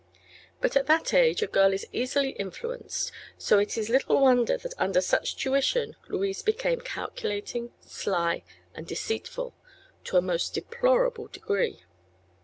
But at that age a girl is easily influenced, so it is little wonder that under such tuition Louise became calculating, sly and deceitful, to a most deplorable degree.